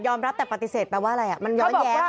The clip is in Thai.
ยอมรับแต่ปฏิเสธตัวอะไรมันย้อนแย้ว